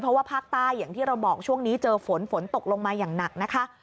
เพราะว่าภาคใต้อย่างที่เราบอกช่วงนี้เจอฝนฝนตกลงมาอย่างหนักนะคะ